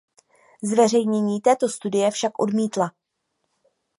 Zveřejnění této studie však odmítla.